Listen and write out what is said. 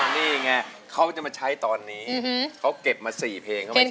นี่ไงเขาจะมาใช้ตอนนี้เขาเก็บมา๔เพลงเข้าไป